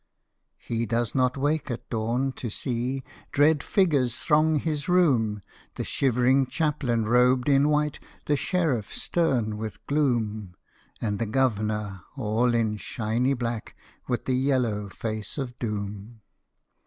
He does not wake at dawn to see Dread figures throng his room, The shivering Chaplain robed in white, The Sheriff stern with gloom, And the Governor all in shiny black, With the yellow face of Doom.